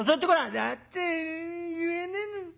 「だって言えねえんだ」。